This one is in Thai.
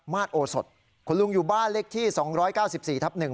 มาสโอสดคุณลุงอยู่บ้านเลขที่สองร้อยเก้าสิบสี่ทับหนึ่ง